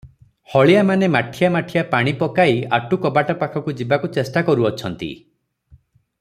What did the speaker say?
ହଳିଆମାନେ ମାଠିଆ ମାଠିଆ ପାଣି ପକାଇ ଆଟୁ କବାଟ ପାଖକୁ ଯିବାକୁ ଚେଷ୍ଟା କରୁଅଛନ୍ତି ।